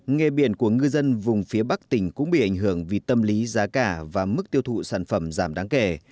nghề biển của ngư dân vùng phía bắc tỉnh cũng bị ảnh hưởng vì tâm lý giá cả và mức tiêu thụ sản phẩm giảm đáng kể